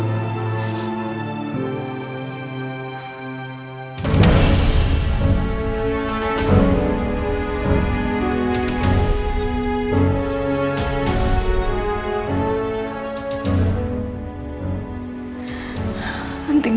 aku mau denger